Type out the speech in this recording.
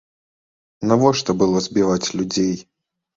Навошта было збіваць людзей?